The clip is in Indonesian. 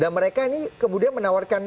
dan mereka ini kemudian menawarkan